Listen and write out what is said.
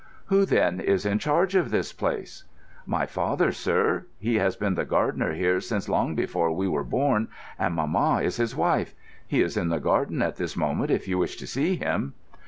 "Who, then, is in charge of this place?" "My father, sir. He has been the gardener here since long before we were born, and mamma is his wife. He is in the garden at this moment if you wish to see him."